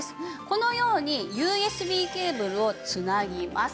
このようにＵＳＢケーブルを繋ぎます。